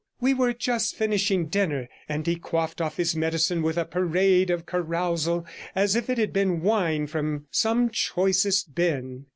We were just finishing dinner, and he quaffed off his medicine with a parade of carousal as if it had been wine from some choicest bin.